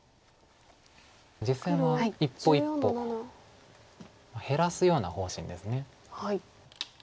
実戦は一歩一歩減らすような方針です。